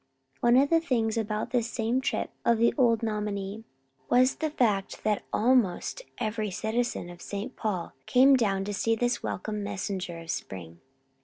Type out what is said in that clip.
One of the things about this same trip of the old Nominee was the fact that almost every citizen of St. Paul came down to see this welcome messenger of spring.